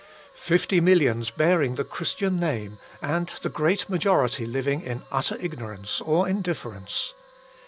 Fifty millions bearing the Christian name, and the great majority living in utter ignorance or indifference.